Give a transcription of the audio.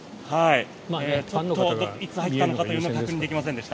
ちょっと、いつ入ったのかは確認できませんでした。